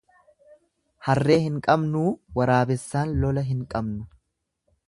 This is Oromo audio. Harree hin qabnuu waraabessaan lola hin qabnu.